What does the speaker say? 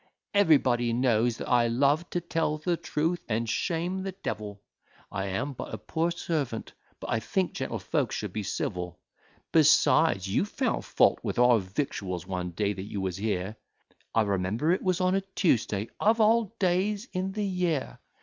Everybody knows that I love to tell truth, and shame the devil: I am but a poor servant; but I think gentlefolks should be civil. Besides, you found fault with our victuals one day that you was here; I remember it was on a Tuesday, of all days in the year.